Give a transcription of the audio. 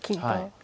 はい。